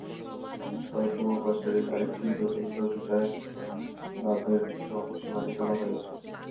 তবে পূর্ব পাশের আরেকটি জতীন্দ্রভিটার বাঁধের কিছু অংশে মাটি ফেলা হয়েছে।